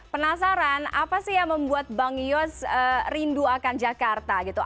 penasaran apa sih yang membuat bang yos rindu akan jakarta gitu